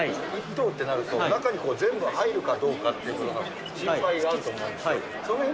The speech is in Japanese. １棟ってなると、中に全部入るかどうかっていうことの心配があると思うんですよ。